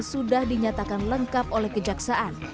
sudah dinyatakan lengkap oleh kejaksaan